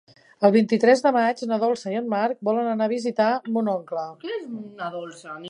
El vint-i-tres de maig na Dolça i en Marc volen anar a visitar mon oncle.